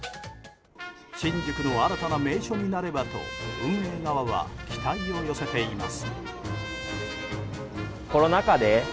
新宿の新たな名所になればと運営側は期待を寄せています。